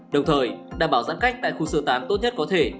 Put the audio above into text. đồng thời đảm bảo giãn cách tại khu sơ tán tốt nhất có thể